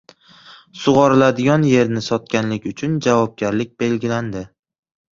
Sug‘oriladigan yerni sotganlik uchun javobgarlik belgilandi